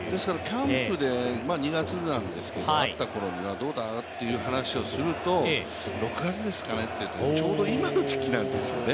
キャンプで２月に会ったころにはどうだという話をすると、６月ですかねって、ちょうど今の時期なんですよね。